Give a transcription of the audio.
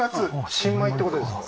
新米ってことですか？